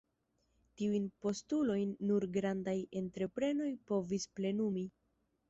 Tiujn postulojn nur grandaj entreprenoj povis plenumi.